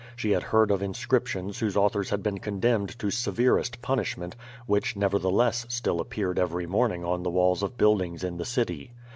She had heard of inscriptions whose authors had been condemned to sever est punishment, which nevertheless still appeared every morning on the walls of buildings in the city.